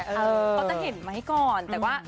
มันจะเห็นไว้ก่อน